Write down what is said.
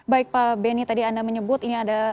baik pak benny tadi anda menyebut ini ada